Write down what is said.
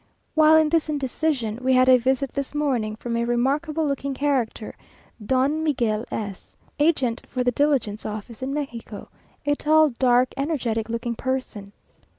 While in this indecision, we had a visit this morning from a remarkable looking character, Don Miguel S , agent for the diligence office in Mexico, a tall, dark, energetic looking person.